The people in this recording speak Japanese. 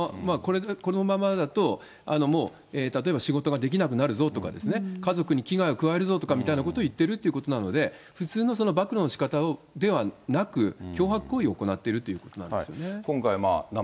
このままだともう例えば、仕事ができなくなるぞとか、家族に危害を加えるぞみたいなことを言ってるということなので、普通の暴露のしかたではなく、脅迫行為を行っているということなんですよね。